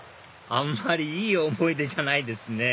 あんまりいい思い出じゃないですね